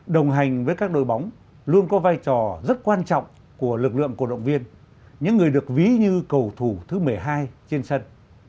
đồng hành với các đội bóng luôn có vai trò rất quan trọng của lực lượng cổ động viên những người được ví như cầu thủ thứ một mươi hai trên sân